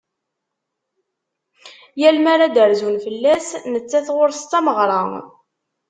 Yal mi ara d-rzun fell-as, nettat ɣur-s d tameɣra.